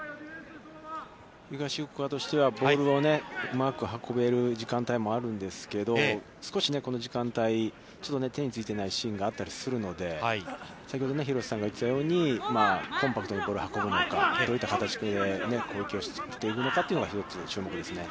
東福岡としてはボールをうまく運べる時間帯もあるんですけれども、少しこの時間帯、ちょっと手についていない時間があったりするので、先ほど廣瀬さんが言ってたようにコンパクトにボールを運ぶのか、どういった形で攻撃を仕掛けていくのかというのが、１つ注目ですね。